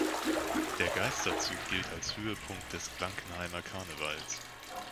Der Geisterzug gilt als Höhepunkt des Blankenheimer Karnevals.